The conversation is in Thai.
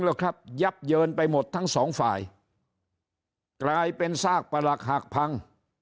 แล้วครับยับเยินไปหมดทั้งสองฝ่ายกลายเป็นซากประหลักหักพัง